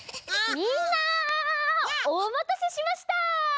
みんなおまたせしました！